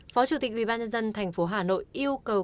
phó chủ tịch ubnd tp hà nội yêu cầu các đơn viên